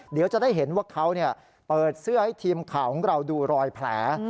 เดี๋ยวจะได้เห็นว่าเขาเปิดเสื้อให้ทีมข่าวของเราดูรอยแผล